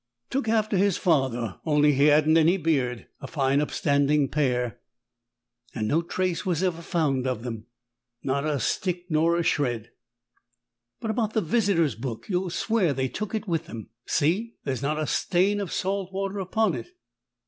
"Took after his father, only he hadn't any beard; a fine upstanding pair." "And no trace was ever found of them?" "Not a stick nor a shred." "But about this Visitors' Book? You'll swear they took it with them? See, there's not a stain of salt water upon it."